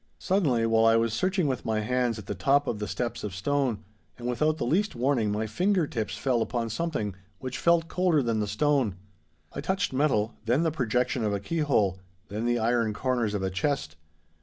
Suddenly, while I was searching with my hands at the top of the steps of stone, and, without the least warning, my finger tips fell upon something which felt colder than the stone. I touched metal—then the projection of a keyhole, then the iron corners of a chest.